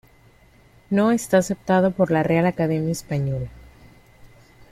No está aceptado por la Real Academia Española.